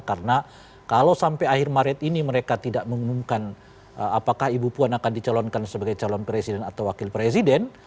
karena kalau sampai akhir maret ini mereka tidak mengumumkan apakah ibu puan akan dicelonkan sebagai calon presiden atau wakil presiden